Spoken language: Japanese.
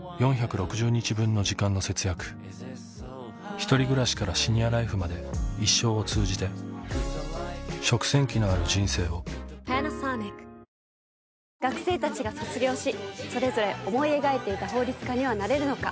ひとり暮らしからシニアライフまで生を通じて、学生たちが卒業しそれぞれ思い描いていた法律家にはなれるのか？